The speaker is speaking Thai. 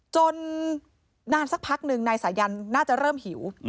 จนนานสักพักหนึ่งนายสายันน่าจะเริ่มหิว